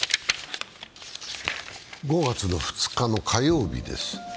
５月２日の火曜日です。